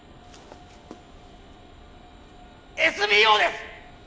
ＳＢＯです！